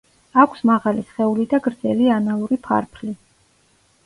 აქვს მაღალი სხეული და გრძელი ანალური ფარფლი.